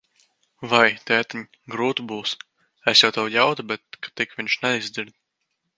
Vai, tētiņ, grūti būs. Es jau tev ļautu, bet ka tik viņš neizdzird.